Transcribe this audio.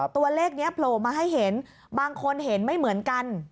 ตัวเลขนี้โผล่มาให้เห็นบางคนเห็นไม่เหมือนกัน